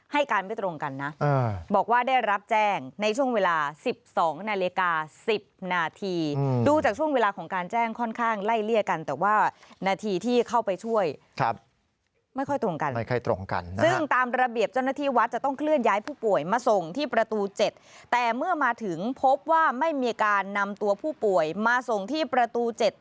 ให้การไม่ตรงกันนะบอกว่าได้รับแจ้งในช่วงเวลา๑๒นาฬิกา๑๐นาทีดูจากช่วงเวลาของการแจ้งค่อนข้างไล่เลี่ยกันแต่ว่านาทีที่เข้าไปช่วยไม่ค่อยตรงกันไม่ค่อยตรงกันซึ่งตามระเบียบเจ้าหน้าที่วัดจะต้องเคลื่อนย้ายผู้ป่วยมาส่งที่ประตู๗แต่เมื่อมาถึงพบว่าไม่มีการนำตัวผู้ป่วยมาส่งที่ประตู๗